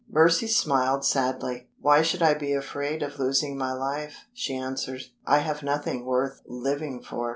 Mercy smiled sadly. "Why should I be afraid of losing my life?" she answered. "I have nothing worth living for!"